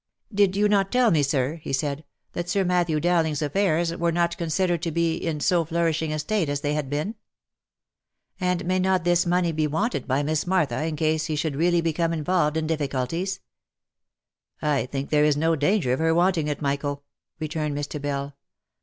" Did you not tell me, sir." he said, " that Sir Matthew Dowling's affairs were not considered to be in so flourishing a state as they had been ? And may not this money be wanted by Miss Martha in case he should really become involved in difficulties ?"" I think there is no danger of her wanting it, Michael," returned Mr. Bell.